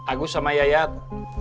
aku sama yayat